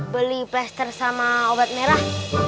beli paster sama obat merah